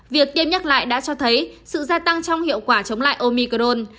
việc tiêm nhắc lại đã cho thấy sự gia tăng trong hiệu quả chống lại omicrone